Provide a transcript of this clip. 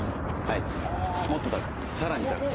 はいもっと高く更に高く。